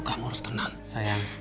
kamu harus tenang sayang